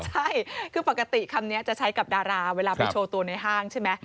ใช่คือปกติคำนี้จะใช้กับดาราเวลาไปโชว์ตัวในห้างใช่ไหม